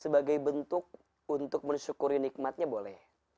sebagai bentuk untuk mensyukuri nikmatnya boleh